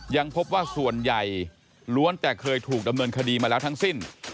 ยังพบว่าส่วนใหญ่ล้วนแต่เคยถูกดำเนินคดีมาแล้วทั้งสิ้น